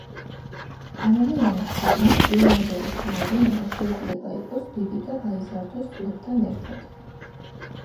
ადამიანის შიგნით პიროვნებების რაოდენობა შეიძლება იყოს დიდი და გაიზარდოს წლებთან ერთად.